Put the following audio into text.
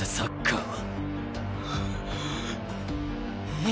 えっ？